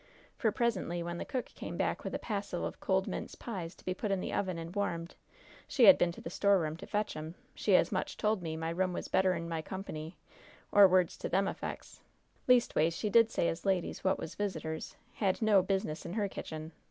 For presently, when the cook come back with a passel of cold mince pies to be put in the oven and warmed she had been to the storeroom to fetch 'em she as much as told me my room was better'n my company, or words to them effects. Leastways, she did say as ladies what was visitors hadn't no business in her kitchen.